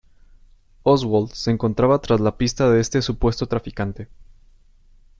Oswald, se encontraba tras la pista de este supuesto traficante.